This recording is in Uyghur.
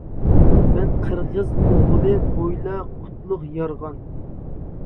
مەن قىرغىز ئوغلى بويلا قۇتلۇق يارغان.